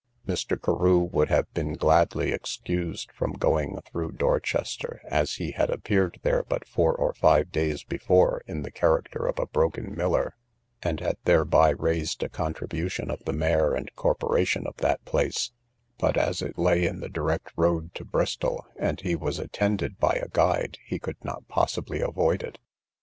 Mr. Carew would have been gladly excused from going through Dorchester, as he had appeared there but four or five days before in the character of a broken miller, and had thereby raised a contribution of the mayor and corporation of that place; but as it lay in the direct road to Bristol, and he was attended by a guide, he could not possibly avoid it.